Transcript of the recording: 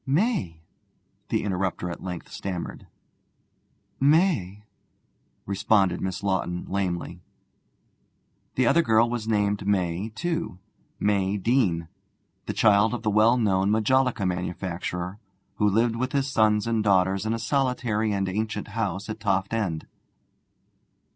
'May!' the interrupter at length stammered. 'May!' responded Miss Lawton lamely. The other girl was named May too May Deane, child of the well known majolica manufacturer, who lived with his sons and daughter in a solitary and ancient house at Toft End.